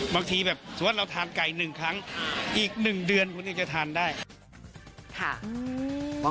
บางทีแบบสมมุติเราทานไก่หนึ่งครั้งอีกหนึ่งเดือนมันก็จะทานได้ค่ะ